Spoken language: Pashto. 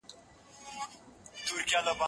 زه به سبا سبزیجات جمع کړم،